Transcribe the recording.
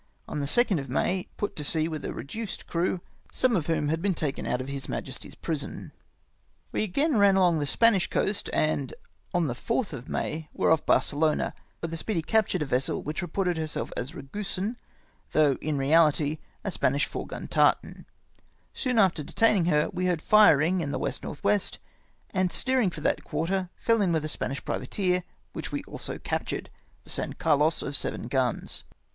On the 2nd of May put to sea with a re duced crew, some of whom had to be taken out of H.M.'s prison." We again ran along the Spanish coast, and on the 4t]i of May were off Barcelona, wliere the Speedy captmx'd AN ATTEJIPT TO ENTRAP US. 109 a vessel wliicli reported herself as Eagusan, though in reahty a Spanish four gun tartan. Soon after detaining her we heard firing in the W. N. W., and steering for that quarter fell in with a Spanish privateer, which we also captured, the San Carlos, of seven guns.